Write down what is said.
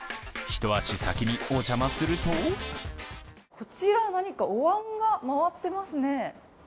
一足先にお邪魔するとこちらはなにかおわんが回ってますね。